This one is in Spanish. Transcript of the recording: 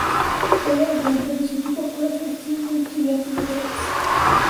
Juega de delantero y su equipo actual es el Estudiantes de Caracas.